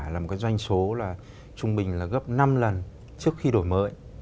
là một doanh số trung bình gấp năm lần trước khi đổi mới